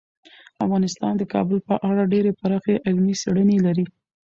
افغانستان د کابل په اړه ډیرې پراخې علمي څېړنې لري.